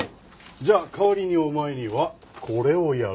じゃあ代わりにお前にはこれをやろう。